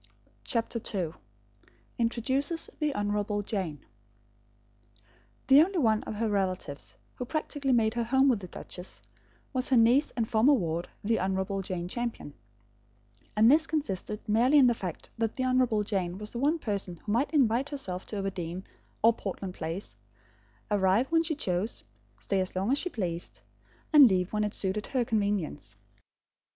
CHAPTER II INTRODUCES THE HONOURABLE JANE The only one of her relatives who practically made her home with the duchess was her niece and former ward, the Honourable Jane Champion; and this consisted merely in the fact that the Honourable Jane was the one person who might invite herself to Overdene or Portland Place, arrive when she chose, stay as long as she pleased, and leave when it suited her convenience.